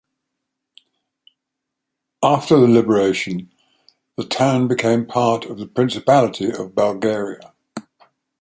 After the liberation the town became part of the Principality of Bulgaria.